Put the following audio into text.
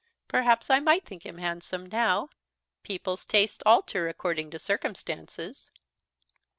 "Perhaps I might think him handsome now. People's tastes alter according to circumstances."